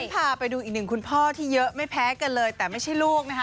พาไปดูอีกหนึ่งคุณพ่อที่เยอะไม่แพ้กันเลยแต่ไม่ใช่ลูกนะคะ